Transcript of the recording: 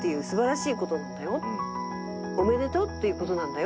おめでとうっていう事なんだよ。